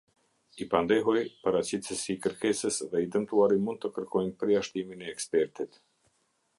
I pandehuri, paraqitësi i kërkesës dhe i dëmtuari mund të kërkojnë përjashtimin e ekspertit.